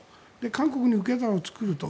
韓国に受け皿を作ると。